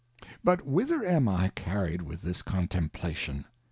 But whither am I carried with this Contemplation